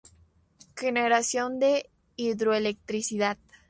Generación de Hidroelectricidad.